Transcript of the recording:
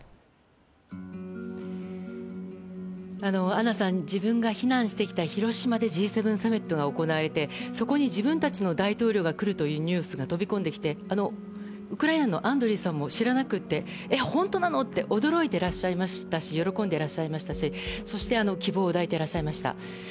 アンナさんは自分が避難してきた広島でＧ７サミットが行われてそこに自分たちの大統領が来るというニュースが飛び込んできてウクライナのアンドリーさんも知らなくて、本当なの？って驚いていらっしゃいましたし喜んでいらっしゃいましたしそして希望を抱いていらっしゃいました。